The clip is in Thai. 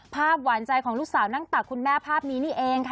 หวานใจของลูกสาวนั่งตักคุณแม่ภาพนี้นี่เองค่ะ